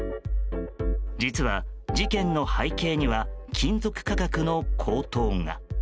実は、事件の背景には金属価格の高騰が。